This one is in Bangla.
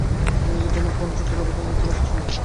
তুমি নিজেই তোমার পরম শত্রু, আবার তুমিই তোমার শ্রেষ্ঠ বন্ধু।